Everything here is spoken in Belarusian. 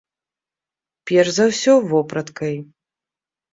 Перш за ўсё, вопраткай.